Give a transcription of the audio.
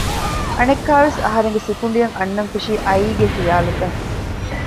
އަނެއްކާވެސް އަހަރެންގެ ސިކުނޑިއަށް އަންނަންފެށީ އައީގެ ޚިޔާލުތައް